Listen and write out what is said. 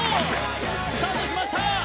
スタートしました。